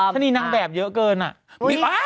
ชนียนางแบบเยอะเกินอ่ะ